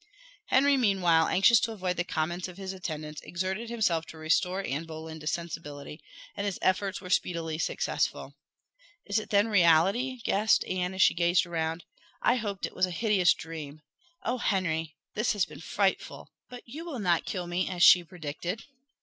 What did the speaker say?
Henry, meanwhile, anxious to avoid the comments of his attendants, exerted himself to restore Anne Boleyn to sensibility, and his efforts were speedily successful. "Is it then reality?" gasped Anne, as she gazed around. "I hoped it was a hideous dream. Oh, Henry, this has been frightful! But you will not kill me, as she predicted?